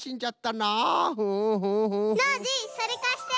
ノージーそれかして。